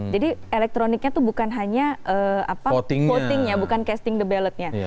jadi elektroniknya itu bukan hanya votingnya bukan casting the ballotnya